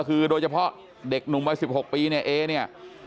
คือโดยเฉพาะเด็กหนุ่มวัย๑๖ปีเนี่ยเอเนี่ย